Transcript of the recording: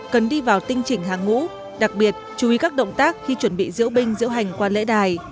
cần đi vào tinh chỉnh hàng ngũ đặc biệt chú ý các động tác khi chuẩn bị diễu binh diễu hành qua lễ đài